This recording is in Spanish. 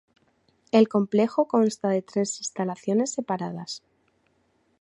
El complejo consta de tres instalaciones separadas.